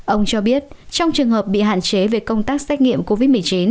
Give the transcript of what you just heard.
ông cho biết trong trường hợp bị hạn chế về công tác xét nghiệm covid một mươi chín